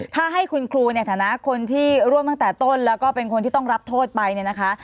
ถ้าให้คุณครูในฐานะคนที่ร่วมตั้งแต่ต้นแล้วก็เป็นคนที่ต้องรับโทษไปเนี่ยนะคะ